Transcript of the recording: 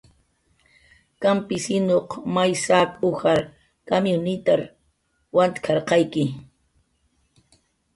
"Kampisinuq may saq ujar kamyunitar wantk""arqayki"